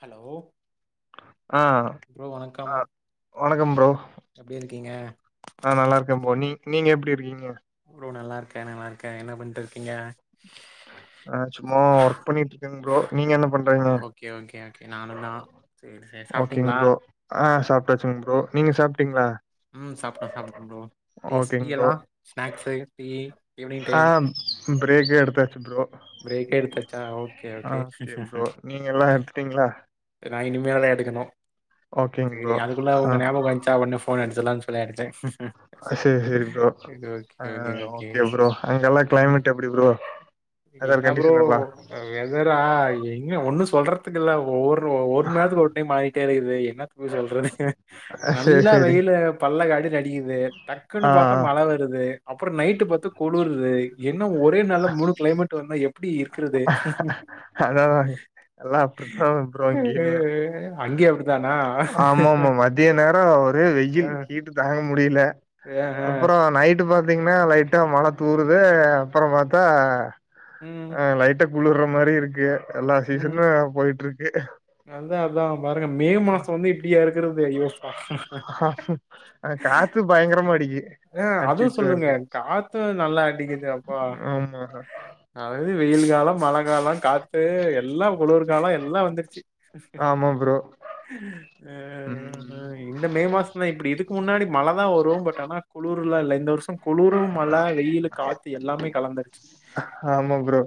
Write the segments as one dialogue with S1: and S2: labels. S1: Hello
S2: அ
S1: bro
S2: அ
S1: வணக்கம்
S2: வணக்கம் ப்ரோ
S1: எப்டி இர்க்கீங்க
S2: அ நல்லாருக்கம் போ நீ நீங்க எப்டி இருக்கீங்க
S1: ப்ரோ நல்லாருக்க நல்லாருக்க என்ன பண்ட்டு இர்க்கீங்க
S2: அ சும்மா ஒர்க் பண்ணிட்ருக்கன்ப்ரோ நீங்க என்ன பண் றிங்க
S1: ஓகே ஓகே ஓகே நானு தா சேரி சேரி
S2: ஓகேங்
S1: சாப்ட்டீங்களா
S2: ப்ரோ அ சாப்ட்ட்ச்சுங் ப்ரோ நீங்க சாப்ட் டிங்ளா
S1: ம் சாப்ட்டோ சாப்ட்ட ப்ரோ டீஸ் டீ எல்லா ஸ்நேக்ஸு டீ ஈவினிங்
S2: அ
S1: டைம்
S2: பிரேக்கு எடுத்தாச்சு ப்ரோ
S1: பிரேக்கு எடுத்தாச்சா ஓகே ஓகே
S2: திங்ளா
S1: நா இனிமேல எடுக்கணு
S2: ஓகேங்
S1: சேரி
S2: ப்ரோ
S1: அதுக்குள்ள
S2: ஆ
S1: உங்க ஞாபக வந்ச்சா ஒட்னே ஃபோன் அட்ச்சல்லான் தொல்லை அடுச்ச
S2: செரி செரி ப்ரோ
S1: இது ஓகே
S2: ஆ
S1: ஓகே ஓகே ம்
S2: புடி ப்ரோ வெதர்
S1: என்னா ஃப்ரோ
S2: கண்டிஷன் எல்லா
S1: வெதரா எங்க ஒன்னு சொல்றதுக்கு இல்ல ஒவ்வொரு ஒர்ம் நேரத்துக்கு ஒரு டைம் மாறிட்டே இருக்குது என்னத்த போய் சொல்றது
S2: செரி
S1: நல்லா
S2: செரி
S1: வெயில பல்ல காட்டிட் அடிக்கிது
S2: ஆ
S1: டக்குனு பாத்தா மழ வருது அப்புற நைட்டு பாத்த குளுருது என்ன ஒரே நாள்ல மூணு க்ளைமேட் வந்தா எப்புடி இருக்குறது
S2: அதா அதா எல்லா அப்டித்தா ப்ரோ இங்கயுமே
S1: அங்கியு அப்புடிதானா
S2: திய நேர ஒரே வெய்யிலு ஹீட்டு தாங்க முடிய்ல
S1: அஹ்
S2: அப்புற நைட்டு பாத்தீங்ன்னா லைட் ட்டா மழ தூறுது அப்புற பாத்தா
S1: உம்
S2: அ லைட்ட குளிர்ற மாரி இருக்கு எல்லா சீசனு போயிட்ருக்கு
S1: அத்தா அதா பாருங்க மே மாச வந்து இப்டியா இர்க்குறது ஐயோ அப்பா
S2: அ ஆனா காத்து பயங்கரமா அடிக்குது
S1: ஏ அதுவும் சொல்லுங்க காத்தும் நல்லா அடிக்குது அப்பா
S2: ஆமா
S1: அது வெயில் காலம் மழை காலம் காத்து எல்லாம் குளர் காலோ எல்லா வந்துருச்சு
S2: ஆமா ப்ரோ
S1: ம் ம் ம் இந்த மே மாசம் தான் இப்டி இதுக்கு முன்னாடி மழை தான் வரும் பட் ஆனா குளர்லா இல்ல இந்த வருஷம் குளுறு மழ வெயில் காத்து எல்லாமே கலந்துருச்சு
S2: ஆமா ப்ரோ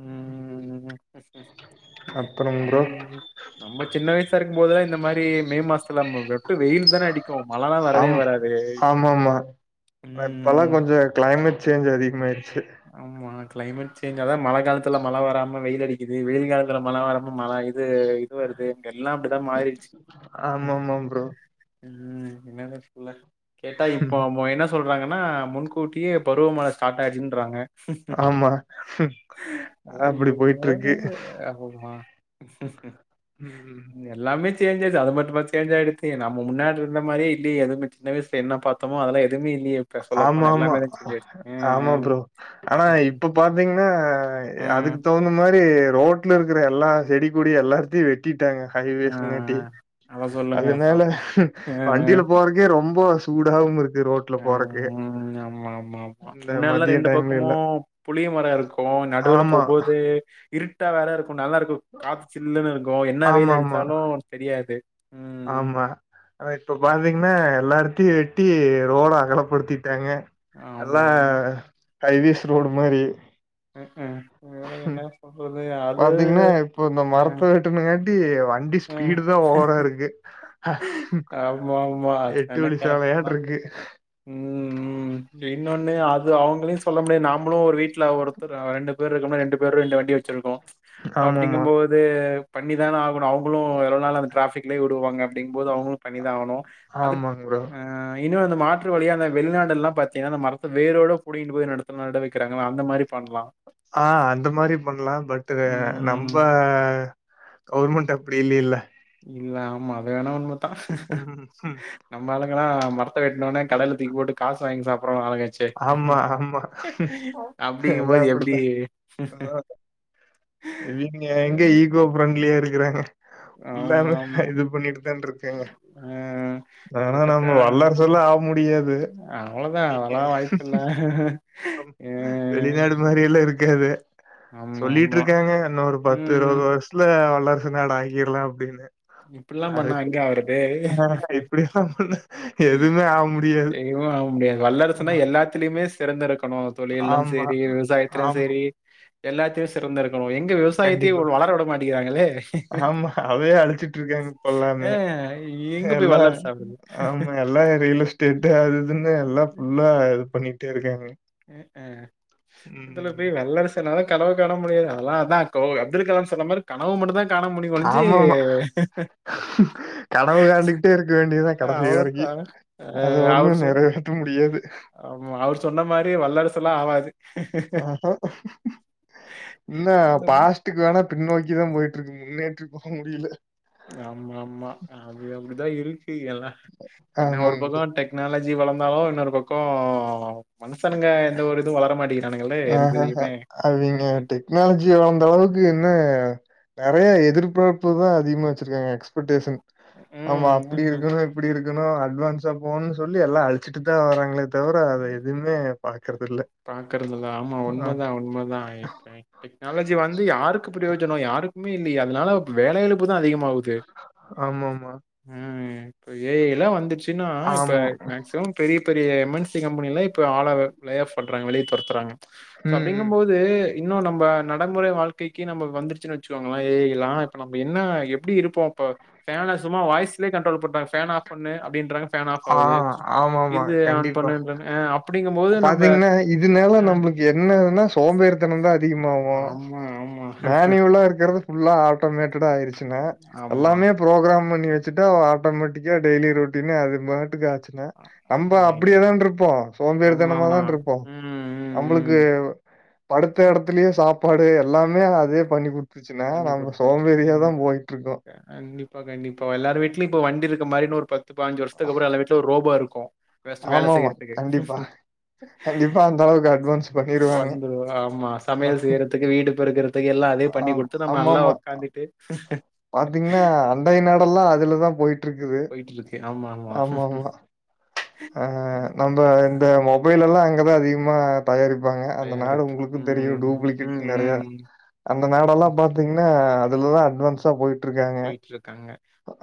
S1: ம்‌ம்
S2: அப்பறம் ப்ரோ
S1: நம்ம சின்ன வயசா இருக்கும் போதுதான் இந்த மாரி மே மாசத்துல நம்ம வெட்டு வெயில் தானே அடிக்கும் மழல்லாம் வரவே வராது
S2: ஆமா அப்பல்லாம்
S1: உம்
S2: கொஞ்சம் கிளைமேட் சேஞ்ச் அதிகமாய்யிடுச்சு
S1: ஆமா கிளைமேட் சேஞ்ச் அதான் மழை காலத்துல மழை வராம வெயில் அடிக்குது வெயில் காலத்துல மழை வராம மழை இது இது வருது இங்க எல்லாம் அப்டிதான் மாறிடுச்சு
S2: ஆமாமா ப்ரோ
S1: ம் என்னன்னு சொல்ல கேட்டா இப்போ அவன்‌ என்ன சொல்றாங்கன்னா முன்கூட்டியே பருவமழை ஸ்டார்ட் ஆயிடுச்சின்றாங்க
S2: ஆமா அதா
S1: ஐயோ
S2: அப்டி போயிட்ருக்கு
S1: ‌ஐயோ அப்பறமா ச சரி
S2: ம் ம்
S1: இங்க எல்லாமே சேஞ் தா அது மட்டுமா சேச் ஆயிடுச்சு நம்ம முன்னாடி இருந்த மாரியை இல்லியே எதுமே சின்ன வயசுல என்ன பார்த்தோமோ எல்லாம் எதுவுமே இல்லையே இப்ப
S2: ஆமா,
S1: சொல்லப்போனா
S2: ஆமா.
S1: எல்லாமே இருந்துச்சி இங்கே ஆ ஆ
S2: ஆமா ப்ரோ. ஆனா இப்ப பார்த்தீங்கன்னா
S1: ம்
S2: அதுக்கு தகுந்த மாரி ரோட்டில் இருக்கிற எல்லா செடி கொடி எல்லாத்தையும் வெட்டிட்டாங்க ஹைவேஸ்ஸுங்காட்டி
S1: ம். அத சொல்லுங்க அப்பா
S2: அதனால வண்டியில
S1: ம்
S2: போறக் ரொம்ப சூடாகவும் இருக்கு ரோட்ல
S1: ம்
S2: போறக்கு
S1: ம் ஆமா ஆமா ஆமா
S2: இந்த
S1: முன்னெல்லாம்
S2: மதிய
S1: ரெண்டு
S2: டைம்ல எல்லாம்.
S1: பக்கமும் புளிய மரம் இருக்கும் நடுவுல
S2: ஆமா,
S1: போம்போதே தே இருட்டா வேற இருக்கும் நல்லா இருக்கும் காத்து சில்லுன்னு இருக்கும் என்ன வெயில்
S2: ஆமாமா,
S1: அடிச்சாலும் தெரியாது ம் ம்
S2: ஆ இப்ப பாத்தீங்கன்னா எல்லாத்தையும் வெட்டி ரோடு அகலப்படுத்திட்டாங்க
S1: ஆமா,
S2: எல்லாம்
S1: ஆமா.
S2: ஹைவேஸ் ரோடு மாரி
S1: ம்ம் வேலை என்ன சொல்றது அது
S2: ப்ப இந்த
S1: அ,
S2: மரத்தை வெட்டனங் காட்டி வண்டி
S1: அ.
S2: ஸ்பீடு தான் ஓவரா இருக்கு
S1: ஆமா, ஆமா.
S2: எட்டு வழி சாலையாட் இருக்கு
S1: ம் ம் ம் இன்னொன்னு அது அவங்களையும் சொல்ல முடியாம் நாமளும் ஒரு வீட்ல ஒருத்தர் ரெண்டு பேர் இருக்கும் ரெண்டு பேரும் ரெண்டு வண்டி வச் ச்சிருகோம்
S2: ஆமாமா.
S1: அப்டிங்கும் போது அது பண்ணி தானே ஆகணும் அவங்களும் எவ்ளோ நாள் அந்த ஃடராபிக்லயே விடுவாங்க அப்டிங்கும் போது அவங்களும் பண்ணி தான் ஆகணும் அது
S2: ஆமாங்க ப்ரோ.
S1: அ இன்னொன்னு மா மாற்று வழியா அந்த வெளிநாடு எல்லாம் பாத்தீங்கன்னா அந்த மரத்தை வேரோட புடின் போய் நடத்து நட வைகிறாங்கள அந்த மாதிரி பண்ணலாம்
S2: ஆ அந்த மாரி பண்ணலாம் பட்டு நம்ப
S1: ம்
S2: கவுவர்மெண்ட் அப்டி இல்லல்ல
S1: இல்ல ஆமா அது வேணா உண்மைதான்
S2: ம்.
S1: நம்ம ஆளுங்கனா எல்லாம் மற த்த‌வெட்டனோனா கடல்ல தூக்கி போட்டு காசு வாங்கி சாப்படு வான்பாய்ங்க சேர்
S2: ஆமா, ஆமா. எல்லாம்
S1: அப்டிங்கபோது எப்டி
S2: அப்டித்தான். இங்க எங்க ஈகோ பிரப்ரெண்ட்லியா இருக்கறாங்க
S1: ஆமா
S2: எல்லாமே
S1: ஆமா
S2: இது பண்ணிட்டுதா இருக்கேங்க
S1: ஆ
S2: ஆனா
S1: கிட்டத்தட்ட
S2: நம்ம வல்லரசால ஆக முடியாது
S1: இல்ல
S2: வெளிநாடு மாரி எல்லா இருக்காது
S1: ஆமா ஆமா
S2: சொல்லிட்ருக்காங்க இன்னொரு பத்து
S1: ம் ம்
S2: இருவது வருஷத்துல வல்லரசு நாடா ஆகிட்லா அப்டின்னு
S1: இப்பிட்லா
S2: அடக்
S1: பண்ணா எங்க ஆவுறது
S2: இப்டி ஆ எப்டி சொல்ல எதுவுமே ஆக முடியாது
S1: செய்வு ஆவ முடியாது வல்லரசுன்னா எல்லாத்துலயுமே சிறந்து இருக்கணு தொழிலு
S2: ஆமா.
S1: சேரி விவசாயத்திலு
S2: ஆமா.
S1: சேரி எல்லாத்தையு சிறந்து இருக்கணு எங்க விவ விவசாயத்தே
S2: கண்டிப்பா.
S1: இவுங்க வளர விட மாட்டேங்கிறாங்களே
S2: அதே அழிச்சிட்டு இருக்காங் இப்ப
S1: ஆ
S2: எல்லாமே
S1: எங்க போய்
S2: எல்லா
S1: வல்லரசு ஆவுறது?
S2: ஆமா எ எல்லா ரியல் எஸ்டேட்டு அது இதுன்னு எல்லா ஃபுல்லா இது பண்ணிட்டே இருக்காங்க
S1: அ அ இதுல
S2: ம்.
S1: போய் வல்லரசு இத்தன்நாளா கனவு கான முடியாது அதலா அதா கோ அப்துல் கலாம் சொன்ன மாரி கனவு மட்டு தா காண முடியுமே ஒழிஞ்சி
S2: ஆமாமா. கனவு காண்டுகிட்டே இருக்க வேண்டியதா கடைசி வரைக்கு
S1: அவ்வளோதான். அ
S2: அது ஒண்ணு
S1: அவரு சொ
S2: நெறைவே த்த முடியாது
S1: ஆமா அவர் மாரி வல்லரசு லா ஆவாது
S2: என்னா பாஸ் ட்டுக்கு வேணா பின்னோக்கி தா போயிட்டு இருக்கு முன்னேற்றி போ முடியல
S1: ஆமா ஆமா அது அப்டிதா இருக்கு எல்லா என்ன ஒரு
S2: ஆமாங்க
S1: பக்கோ
S2: சார்.
S1: ட டெக்னாலஜி வளந்தாலு இன்னொரு பக்கோ மனுஷனுங்க எந்த ஒரு இதுவு வளர மாட்டிங்குறானுங்கள
S2: அ ஹ ஹ அவிங்க அட்டி டெக்னாலஜி வளந்த அளவுக்கு என்ன நறைய எதிர்பார்ப்பு தா அதிகமா வச்சிருக்காங்க எக்ஸ்பட்டேசன் ஆமா அப்டி
S1: ம்.
S2: இருக்குன்னு இப்பிடி இருக்கணு அட்வான்ஸா போணுன் சொல்லி எல்லா அழிச்சிட்டு தா வாரங்களே தவிர அத எதுமே பாக்கறதில்ல
S1: பாக்கறதில்ல ஆமா உண்மதா உண்மதா ஆ இப்ப டெக்னாலஜி வந்து யாருக்கு பிரயோஜனோ யாருக்குமே இல்லையே அதனால வேல இழப்பு தா அதிகமாது
S2: ஆமா ஆமா
S1: ம் இப்ப ஏ ஐல்லா வந்துச்சுன்னா இப்ப
S2: ஆமா.
S1: மேக்சிமம் பெரிய பெரிய எம் என் சி கம்பெனிலா இப்ப ஆள லே ஆஃப் பண்றாங்க வெளிய தொரத்துராங்க சோ
S2: ம், ம்.
S1: அப்டிங்கும் போ து இன்னு நம்ப நடமுறை வாழ்க்கைக்கு நம்ப வந்துருச்சுன் வச்சுக்கோங்கள ஏ ஐலா இப்ப நம்ப என்னா எப்டி இருப்போ இப்ப ஃபேன சும்மா வாய்ஸ்லே கண்ட்ரோல் பண்றாங்க ஃபேன ஆஃப் பண்ணு அப்டின்றாங்க ஃபேன் ஆஃப்
S2: ஆ
S1: ஆவுது
S2: ஆமாமா.
S1: இது ஆன்
S2: கண்டிப்பா.
S1: பண்ணுறாங் அ அப்டிங்கும் போது நம்ப
S2: பார்த்தீங்கன்னா, இதனால
S1: அ
S2: நம்பளுக்கு என்னதுனா சோம்பேரித்தனோ தா அதிகமாவு
S1: ஆமா, ஆமா,
S2: மேனிவுலா இருக்கறது ஃபுல்லா ஆட்டோமேட்டடா ஆயிருச்சுங்க
S1: ஆமா.
S2: எல்லாமே ஃப்ரோக்ராம் பண்ணி வச்சுட்டா ஆட்டோ மேட்டிக்கா டெய்லி ரொட்டினே அது பாட்டு ஆ ச்சுங்க நம்ப அப்டே
S1: ஆயிடும்.
S2: தான்ருப்போ சோம்பேறி
S1: ஆமாமா.
S2: தனமாதான்ருப்போ
S1: ம், ம்,
S2: நம்பளுக்கு
S1: ம்.
S2: படுத்த எடத்துலயே சாப்பாடு எல்லாமே அதே பண்ணிகுடு த்துச்சுன்னா
S1: பண்ணி
S2: நம்ப
S1: குடுத்துச்சு.
S2: சோம்பேறியா
S1: ம்.
S2: தா போயிட்ருக்கோ
S1: கண்டிப்பா கண்டிப்பா எல்லாரு வீட்லயு இப்ப வண்டி இருக்க மாரி இன்னொரு பத்து பாஞ்சு வருஷத்துக்கு அப்புறோ எல்லா வீட்லயு ஒரு ரோபோ இருக்கு
S2: ஆமா ஆமா கண்டிப்பா கண்டிப்பா அந்த அளவுக்கு அட்வான்ஸ் பண்ணிருவாங்க
S1: வந்துரு ஆமா
S2: அ
S1: சமையல் செய்யறதுக்கு வீடு பெருக்கறது இப்ப எல்லா அதே
S2: ஆ
S1: பண்ணி குடுத்து நம்ம நல்லா உக்காந்துட்டு
S2: பாத்தீங்னா அண்டை நாடல்லா அதுலதா போயிட்ருக்குது
S1: போயிட்டுருக்கு. ஆமா,
S2: ஆமா ஆமா ஆ நம்ம இந்த மொபைல் எல்லா அங்கதா அதிகமா தயாரிப்பாங்க அந்த நாடு
S1: தயாரிப்பு.
S2: உங்களுக்கு தெரியு
S1: ம்,
S2: டூப்ளிகேட்
S1: ம்,
S2: நெறைய
S1: ம்.
S2: அந்த நாடல்லா பாத் பாத்தீங்கன்னா அதுலதா அட்வான்ஸ போயிட்
S1: போயிட்ருக்காங்க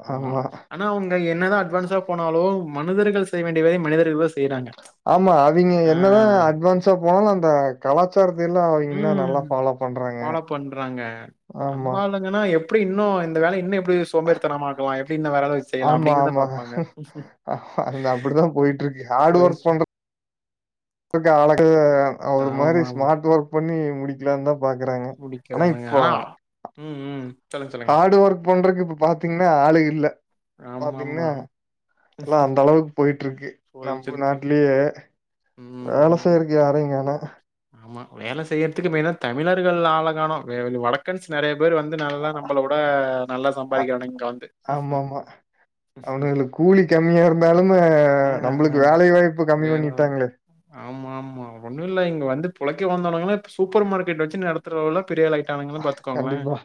S1: ஆமா ஆனா அவுங்க என்னதா அட்வான்ஸா போனாலு மனிதர்கள் செய்ய வேண்டிய வை மனிதர்களு செய்றாங்க
S2: ஆமா அது நீங்க
S1: ஆ.
S2: என்னதா அட்வான்ஸா போனாலு அந்த கலாச்சாரத்தேல்லா அவிங்கனா நல்லா
S1: ம்.
S2: ஃபாலா பண்றாங்க ஆமா
S1: எதனா எப்டி இன்னு இந்த வேலய இன்னு எப்டி யோஸ் சோம்பேரிதனமாக்கலா எப்டி இன்ன வேற எத வச் செய்யலா
S2: ஆமா,
S1: அப்டிங்கறதா
S2: ஆமா.
S1: பாபாங்க
S2: அந்த அப்டிதா போயிட்டு இருக்கு ஹாட் ஒர்க்
S1: போயிட்டு
S2: பண்ற க்கு அளகு ஒரு மாரி
S1: ஆமா, ஆமா.
S2: ஸ்மார்ட் ஒர்க் பண்ணி முடிக்கலான் தா பாக்குறாங்க ஆனா இப்ப
S1: ம் ம் சொல்லுங்க, சொல்லுங்க.
S2: ஹார்டு ஒர்க் பண்றக்கு இப்ப பாத்தீங்கன்னா ஆளே இல்ல
S1: ஆமாமா.
S2: பாத்தீங்கன்னா எல்லா அந்த அளவுக்கு போயிட்ருக்கு
S1: போயிட்டு
S2: நம்ப
S1: இருக்கு.
S2: நாட்லயே
S1: ம்,
S2: வேல
S1: ம்.
S2: செய்றக்கு யாரையு காணா
S1: ஆமா வேல செய்றதுக்கு மெயினா தமிழர்கள் ஆள காணோ வேற வ வடக்கன்ஸ் நெறைய பேர் வந்து நல்லா நம்பள விட நல்லா
S2: அ
S1: சம்பாறிக்கானுக இங்க வந்து
S2: ஆமாமா. அவனுங்களுக்கு கூலி கம்மியா இருந்தாலுமே
S1: ஆ, ஆ.
S2: நம்மளுக்கு
S1: ஆ.
S2: வேலை வாய்ப்பு கம்மி
S1: வேலை
S2: பண்ணிட்டாங்களே
S1: ஆமாமா ஒண்ணு இல்ல இங்க வந்து பொளைக்க வந்தவுனுங்களே இப்ப சூப்பர் மார்க்கெட் வச்சு நடத்துற அளவுக் பெரியாளாய்ட்டானுங்க
S2: கண்டிப்பா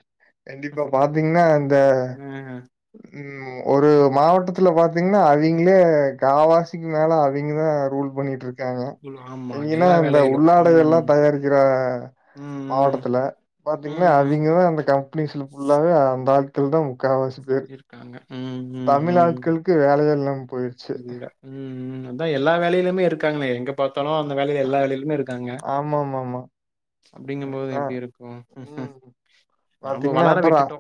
S2: கண்டிப்பா பாத்தீங்கன்னா இந்த
S1: ஆ.
S2: ம் ஒரு மாவட்டத்துல பாத்தீங்கன்னா அவிங்களே காவாசிக்கு மேல அவிங்கதா ரூல் பண்ணிட்டுரு க்காங்க
S1: குழு ஆமா
S2: எங்கன்னா
S1: எல்லா
S2: இந்த
S1: வேலையிலும்
S2: உள்ளாடைகல்லா
S1: ம்
S2: தயாரிக்கிற
S1: ம்
S2: மாவட்டத்துல
S1: ம்
S2: பாத்தீங்கன்னா
S1: ம் ம்.
S2: அவிங்கதா அந்த கம்பெனிஸ்ல ஃபுல்லாவே அந்த ஆட்கள் தா முக்காவாசி பேரு
S1: இருக்காங்க ம் ம்
S2: தமிழ்
S1: ம்
S2: ஆட்களுக்கு வேலயே இல்லாம போயிருச்சு
S1: இல்ல ம் ம் அதா எல்லா வேலைலயுமே இருக்காங்கலே எங்க பாத்தாலு அந்த வேலைல எல்லா வேலேலயுமே இருக்காங்க
S2: ஆமாமாமா.
S1: அப்டிங்கம் போது
S2: ஏன்னா
S1: எப்டி இருக்கு
S2: ம்.
S1: நாம
S2: பாத்தீங்கன்னா,
S1: வளர
S2: அப்புறம்
S1: விட்டுட்டோ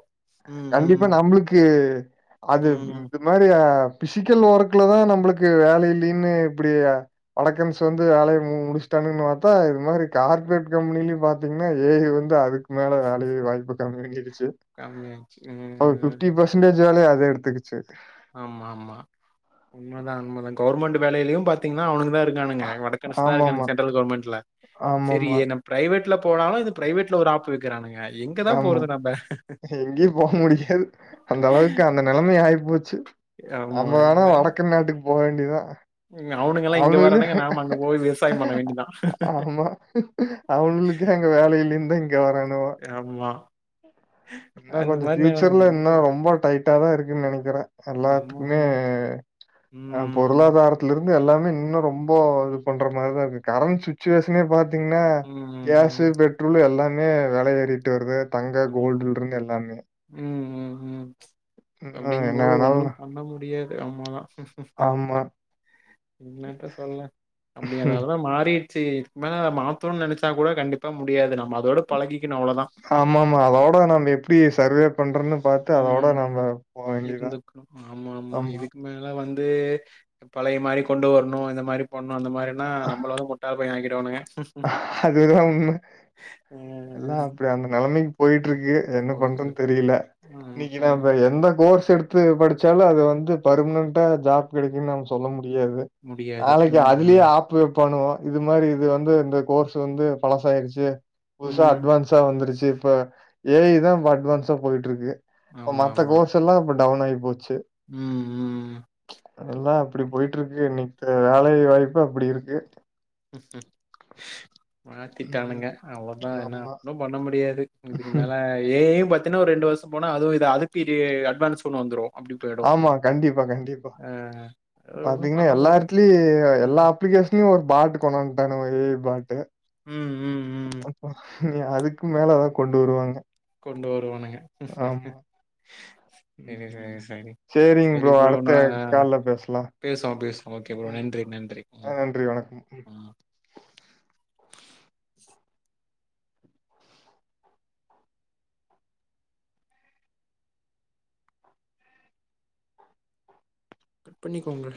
S2: கண்டிப்பா நம்மளுக்கு அது இது
S1: ம்
S2: இது மாரியா பிசிக்கல் ஒர்க்குலதா நம்மளுக்கு வேல இல்லின்னு இப்டி வடக்கன்ஸ் வந்து வேலய முடுஸ்டாங்கன் பாத்தா இது மாரி கார்ப்ரேட் கம்பெனிலயு பாத்தீங்கன்னா ஏ ஐ வந்து அதுக் மேல வேலை வாய்ப்பு கம்மியாயிருச்சு
S1: கம்மியாச்சு
S2: ஒரு
S1: ம்,
S2: ஃபிப்டி பஸ் சன்டேஜ் வேலய அது எடுத்துகிச்சு
S1: ஆமா ஆமா உண்மதா உண்மதா கவுர்மண்ட் வேலேலயு பாத்தீங்கன்னா அவனுங்கதா இருக்கானுங்க வடக்கன்ஸ் தா
S2: ஆமாமா,
S1: இருக்கானுங்க சென்ட்ரல் கவர்மண்ட்ல செரி
S2: ஆமாமா,
S1: எ நம் ப்ரைவேட்ல போனாலு இது ப்ரைவேட்ல ஒரு ஆப்பு வைக்கிறானுங்க எங்கதா போறது நம்ம
S2: எங்கயு போக முடியாது அந்த அளவுக்கு அந்த நெலமை ஆயிப்போச்சு நம்ம வேனா
S1: ஆமா
S2: வடக்கன் நாட்டுக்கு போ வேண்டியதா
S1: ம். அவனுங்கல்லாம் இங்க
S2: அவனுகளே
S1: வரானுங்க. நாம அங்க போய் விவசாயம் பண்ண வேண்டியதான்.
S2: ஆமா அவுனுங்களுக்கே அங்க வேல இல்லனுதா இங்க வரணுவோ
S1: உம்மா
S2: என்ன கொஞ்சோ ஃபியூச்சர்ல இன்னு ரொம்ப டைட்டா தா இருக்குனு நெனக்கிறே எல்லாத்துக்குமே
S1: ஆமாமா.
S2: அ
S1: ம்.
S2: பொருளாதாரோ த்லயிருந்து எல்லாமே இன்னு ரொம்போ இது பண்ற மாரிதா இருக்கு கரண்ட் சுச்சுவேஷனே பாத்தீங்ன்னா
S1: ம்.
S2: கேஸு
S1: ம்.
S2: பெட்ரோலு எல்லாமே வெல ஏறிட்டு வருது தங்க கோல்டுலருந்து எல்லாமே
S1: உம் உம் உம்
S2: இன்னும்
S1: அப்டிங்கு
S2: என்ன
S1: போது ஒண்ணு
S2: வேணாலும்
S1: பண்ண முடியாது அம்மாதா
S2: ஆமா.
S1: என்னத்த சொல்ல அப்டி
S2: ம்.
S1: அதனாலதா மாறி ச்சு இதுக்கு மேல மாத்தணுனு நெனச்சா கூட கண்டிப்பா முடியாது நம்ம அதோடு பழகிக்கணு அவ்ளோதா
S2: ஆமாமா அதோட நம்ம எப்டி சர்வே பண்றண்ணு பாத்து அதோட நம்ம
S1: ம்.
S2: போ வேண்டியதா ஆமா
S1: இனிமேலலா வந்து பழைய மாரி கொண்டு வரணு இந்த மாத்ரி பண்ணணு அந்த மாத்ரினா நம்மளோரு முட்டாள பயோ ஆக்கிடுவானுங்க
S2: அதுதான் உண்ம எல்லா
S1: ம்.
S2: அப்டி அந்த நெலமைக்கு போயிட்டுருக்கு என்ன
S1: போயிட்டு
S2: பண்றுதுன்னு தெரில
S1: ம்
S2: இன்னக்கீ
S1: ஆமா
S2: நம்ம எந்த கோர்ஸ் எடுத் த்து படுச்சாலு அது வந்து பர்மனன்டா ஜாப் கெடக்குன்னு நம் சொல்ல முடியாது
S1: முடியாது ம் அ
S2: இப்ப பண்ணுவோ இது மாரி இது வந்து இந்த கோர்ஸ் வந்து பழசாயிர்ச்சு புதுசா
S1: ம்
S2: அட்வான்ஸா வந்துருச்சு இப்ப ஏயி தா இப்ப அட்வான்ஸா போயிட்டுருக்கு இப்ப
S1: ஆமா
S2: மத்த
S1: ஆமா
S2: கோர்ஸ் எல்லா இப்ப டவுன் ஆயி போச்சு
S1: ம் ம்
S2: அதெல்லா அப்டி போயிட்டுருக்கு இன்னைக்கு வேலை வாய்ப்பு அப்டியிருக்கு
S1: ம்ம்
S2: ம்.
S1: மாத்திட்டானுங்க அவ்ளோதா என்னா
S2: ஆமா.
S1: ஒண்ணு பண்ண முடியாது இதுக்கு மேல ஏ ய்யு பாத் இன்ன ஒரு ரெண்டு வருஷோ போனா அது இது அதுக்கிது அட்வான்ஸ் ஒன்னு வந்துடு
S2: ஆமா கண்டிப்பா கண்டிப்பா
S1: அது ஒன்னு
S2: பாத்தீங்கன்னா
S1: பண்ண
S2: எல்லா
S1: முடியாது
S2: எடத்திலி எல்லா அப்ளிகேஷன் டீ ஒரு பாட்டு கொண்டு வந்துட்டானுங்கோ ஏ ய் பாட்டு
S1: ம் ம் ம்
S2: அப்பா இனி அதுக்கு மேலதா கொண்டு வருவாங்கே
S1: கொண்டு வருவானுங்க செரிங்க
S2: ம்.
S1: செரி
S2: சேரிங்க ப்ரோ அடுத்த கால்ல பேசலா
S1: பேசுவோ பேசுவோ ஓகே ப்ரோ நன்றி நன்றி
S2: நன்றி வணக்கம். ம்.
S1: பண்ணிக்கோங்க